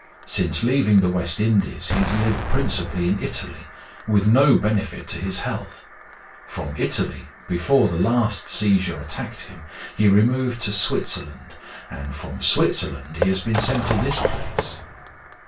Since leaving the West Indies he has lived principally in Italy, with no benefit to his health. From Italy, before the last seizure attacked him, he removed to Switzerland, and from Switzerland he has been sent to this place.